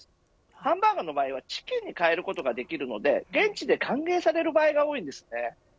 ハンバーガーの場合はチキンに変えることができるので現地で歓迎される場合が多いです。